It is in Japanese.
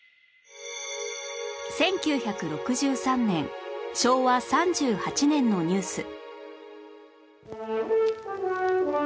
１９６３年昭和３８年のニュース